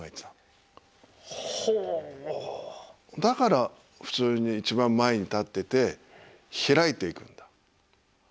だから普通に一番前に立ってて開いていくんだ。